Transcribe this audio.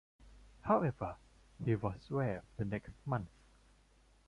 However, he was waived the next month.